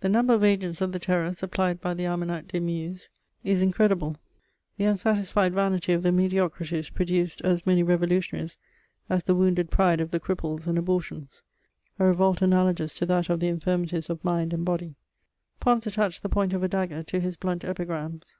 The number of agents of the Terror supplied by the Almanach des Muses is incredible; the unsatisfied vanity of the mediocrities produced as many revolutionaries as the wounded pride of the cripples and abortions: a revolt analogous to that of the infirmities of mind and body. Pons attached the point of a dagger to his blunt epigrams.